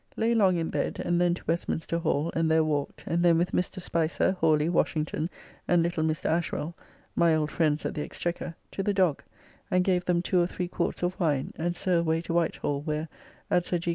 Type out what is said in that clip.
Lay long in bed, and then to Westminster Hall and there walked, and then with Mr. Spicer, Hawly, Washington, and little Mr. Ashwell (my old friends at the Exchequer) to the Dog, and gave them two or three quarts of wine, and so away to White Hall, where, at Sir G.